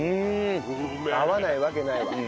合わないわけないわ。